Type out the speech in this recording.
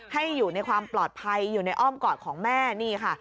ให้อยู่ในความปลอดภัยอยู่ในอ้อมกอดของแม่นี่ค่ะ